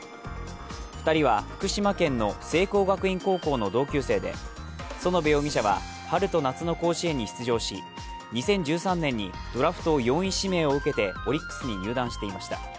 ２人は福島県の聖光学院高校の同級生で園部容疑者は春と夏の甲子園に出場し２０１３年にドラフト４位指名を受けてオリックスに入団していました。